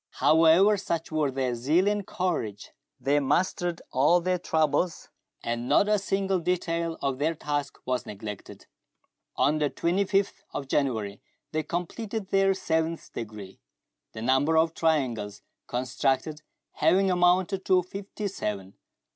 1 69 ever, such were their zeal and courage that they mastered all their troubles, and not a single detail of their task was neglected. On the 25th of January they completed their seventh degree, the number of triangles constructed having amounted to fifty seven.